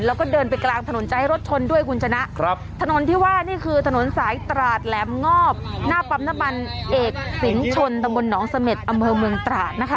แล้วก็เดินไปกลางถนนจะให้รถชนด้วยคุณชนะถนนที่ว่านี่คือถนนสายตราดแหลมงอบหน้าปั๊มน้ำมันเอกสินชนตำบลหนองเสม็ดอำเภอเมืองตราดนะคะ